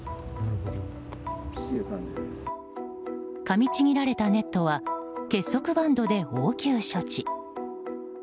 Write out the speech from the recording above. かみちぎられたネットは結束バンドで応急置。